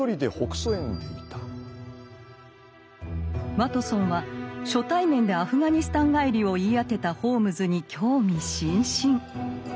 ワトソンは初対面でアフガニスタン帰りを言い当てたホームズに興味津々。